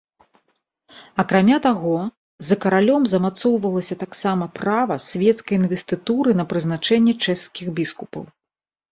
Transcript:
Акрамя таго, за каралём замацоўвалася таксама права свецкай інвестытуры на прызначэнне чэшскіх біскупаў.